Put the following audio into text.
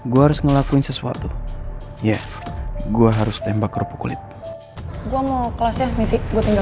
gua harus ngelakuin sesuatu ya gua harus tembak kerupuk kulit gua mau kelas ya missy gue tinggal